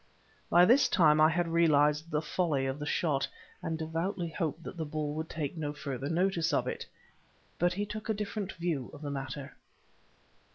By this time I had realized the folly of the shot, and devoutly hoped that the bull would take no further notice of it. But he took a different view of the matter.